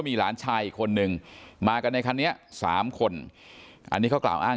มีหลานชายอีกคนนึงมากันในคันนี้๓คนอันนี้เขากล่าวอ้าง